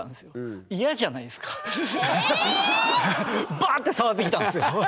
バーッて触ってきたんですよ。